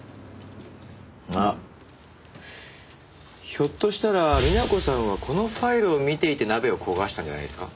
ひょっとしたら美奈子さんはこのファイルを見ていて鍋を焦がしたんじゃないですか？